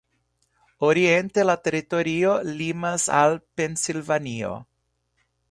Oriente la teritorio limas al Pensilvanio.